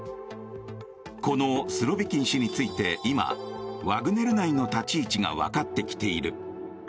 このスロビキン氏について今、ワグネル内の立ち位置が分かってきている。